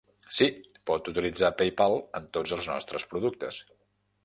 Sí, pot utilitzar PayPal en tots els nostres productes.